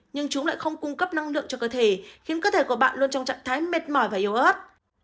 nhưng chúng lại không cung cấp năng lượng cho cơ thể khiến cơ thể của bạn luôn trong trạng thái mệt mỏi và yếu ớt